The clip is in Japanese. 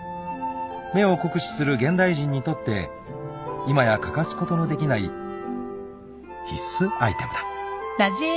［目を酷使する現代人にとって今や欠かすことのできない必須アイテムだ］